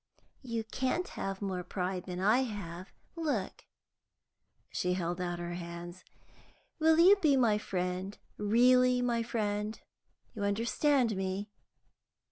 "You can't have more pride than I have. Look." She held out her hands. "Will you be my friend, really my friend? You understand me?"